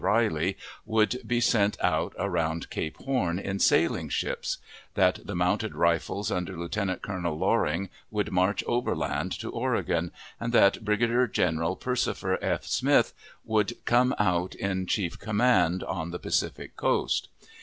Riley, would be sent out around Cape Horn in sailing ships; that the Mounted Rifles, under Lieutenant Colonel Loring, would march overland to Oregon; and that Brigadier General Persifer F. Smith would come out in chief command on the Pacific coast.